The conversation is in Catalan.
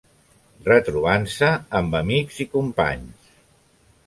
Retrobant-se amb amics i companys.